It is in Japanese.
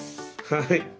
はい。